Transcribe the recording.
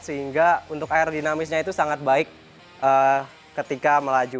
sehingga untuk air dinamisnya itu sangat baik ketika melaju